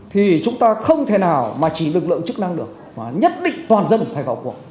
thì chúng ta không thể nào mà chỉ lực lượng chức năng được mà nhất định toàn dân phải vào cuộc